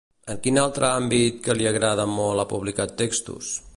En quin altre àmbit que li agrada molt ha publicat textos?